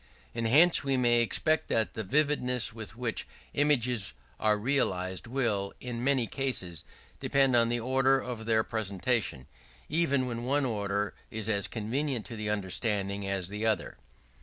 And hence we may expect that the vividness with which images are realized will, in many cases, depend on the order of their presentation: even when one order is as convenient to the understanding as the other.